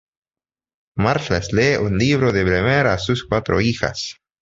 March les lee un libro de Bremer a sus cuatro hijas.